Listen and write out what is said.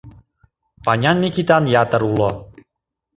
Ванян Микитан ятыр уло.